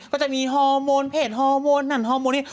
กันจริงหยุดขาวหยุดซีด